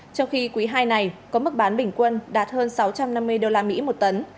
trong khi quý hai này có mức bán bình quân đạt hơn sáu trăm năm mươi usd một tấn